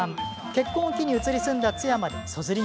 結婚を機に移り住んだ津山でそずり